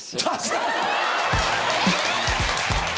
え！